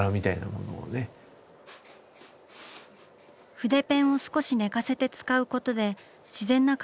筆ペンを少し寝かせて使うことで自然なか